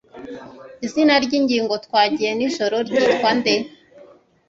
Izina ryingingo twagiye nijoro ryitwa nde?